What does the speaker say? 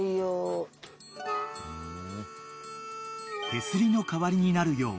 ［手すりの代わりになるよう］